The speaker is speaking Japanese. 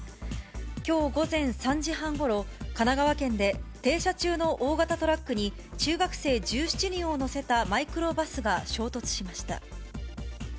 きょう午前３時半ごろ、神奈川県で停車中の大型トラックに中学生１７人を乗せたマイクロバスが衝突しました。